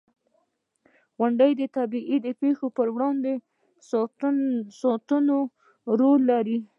• غونډۍ د طبعي پېښو پر وړاندې ساتندوی رول لري.